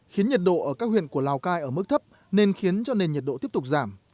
khiến nhiệt độ ở các huyện của lào cai ở mức thấp nên khiến cho nền nhiệt độ tiếp tục giảm